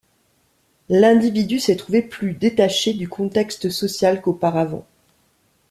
L’individu s’est trouvé plus détaché du contexte social qu’auparavant.